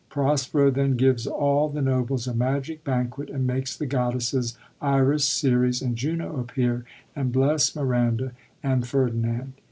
Prospero then gives all. the nobles a magic banquet, and makes the goddesses Iris, Ceres, and Juno appear, and bless Miranda and Ferdinand.